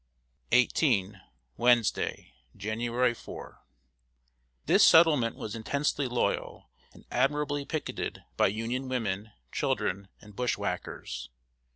XVIII. Wednesday, January 4. This settlement was intensely loyal, and admirably picketed by Union women, children, and bushwhackers.